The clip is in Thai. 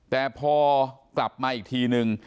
แต่พอกลับมาอีกทีนึง